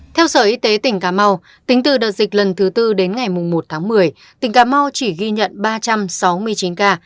theo sở y tế tỉnh cà mau tính từ đợt dịch lần thứ tư đến ngày một tháng một mươi tỉnh cà mau chỉ ghi nhận ba trăm sáu mươi chín ca